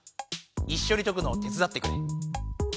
いっしょに解くのを手つだってくれ。